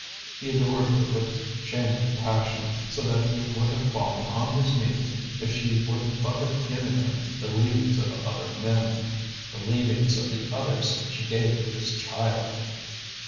He adored her with shameful passion, so that he would have fallen on his knees if she would but have given him the leavings of other men! The leavings of the others she gave to this child.